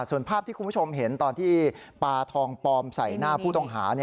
ส่วนภาพที่คุณผู้ชมเห็นตอนที่ปลาทองปลอมใส่หน้าผู้ต้องหา